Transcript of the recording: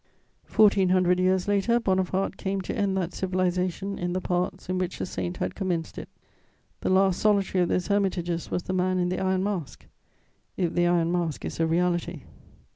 Fourteen hundred years later, Bonaparte came to end that civilization in the parts in which the saint had commenced it. The last solitary of those hermitages was the Man in the Iron Mask, if the Iron Mask is a reality.